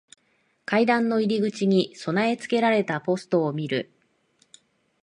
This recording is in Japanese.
階段の入り口に備え付けられたポストを見る。